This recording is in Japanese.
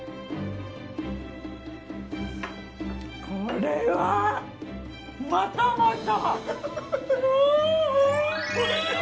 これはまたまた。